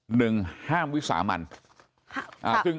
๑ห้ามวิสาห์มัน